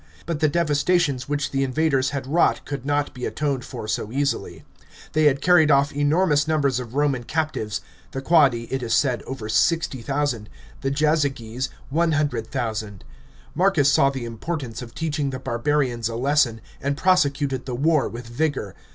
But the devastations which the invaders had wrought could not be atoned for so easily. They had carried off enormous numbers of Roman captives — the Quadi, it is said, over 60000, the Jaxsyges 100,000. Marcus saw the importance of teaching the barbarians a lesson, and prosecuted the war with vigour.